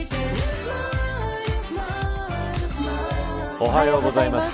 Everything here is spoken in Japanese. おはようございます。